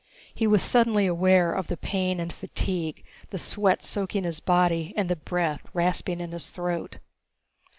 He was suddenly aware of the pain and fatigue, the sweat soaking his body and the breath rasping in his throat.